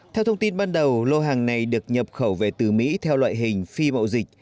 theo thông tin ban đầu lô hàng này được nhập khẩu về từ mỹ theo loại hình phi bậu dịch